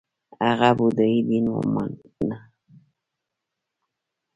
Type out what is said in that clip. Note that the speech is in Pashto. هغه بودايي دین ومانه